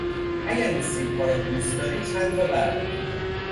اگر این سیبها را دوست داری چند تا بردار.